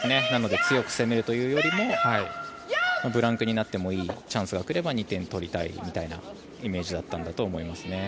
なので、強く攻めるというよりもブランクになってもいいチャンスが来れば２点取りたいというイメージだったんだと思います。